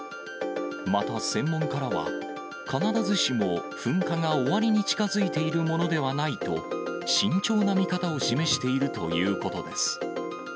また専門家らは、必ずしも噴火が終わりに近づいているものではないと、慎重な見方を示しているということです。